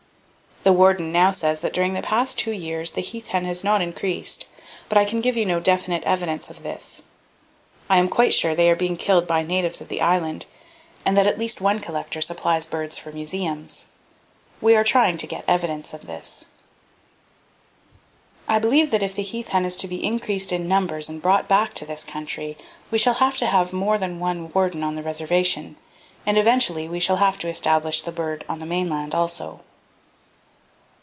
"The warden now says that during the past two years, the heath hen has not increased, but I can give you no definite evidence of this. I am quite sure they are being killed by natives of the island and that at least one collector supplies birds for museums. We are trying to get evidence of this. I believe if the heath hen is to be increased in numbers and brought back to this country, we shall have to have more than one warden on the reservation and, eventually, we shall have to establish the bird on the mainland also."